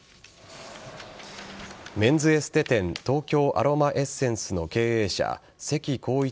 メンズエステ店東京アロマエッセンスの経営者関浩一